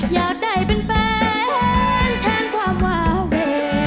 อยากได้เป็นแฟนแทนความวาเว